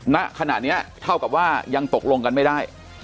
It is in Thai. ณขณะนี้เท่ากับว่ายังตกลงกันไม่ได้